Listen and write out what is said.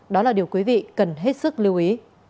đó là điều quý vị cần hết sức lưu ý